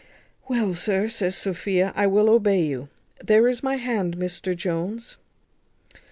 "Well, sir," says Sophia, "I will obey you. There is my hand, Mr Jones."